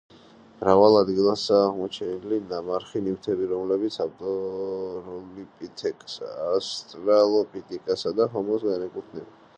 მრავალ ადგილასაა აღმოჩენილი ნამარხი ნივთები, რომლებიც ავსტრალოპითეკსა და ჰომოს განეკუთვნება.